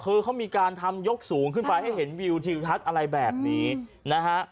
คือเขามีการทำยกสูงขึ้นไปให้เห็นวิวทิวทัศน์อะไรแบบนี้นะฮะ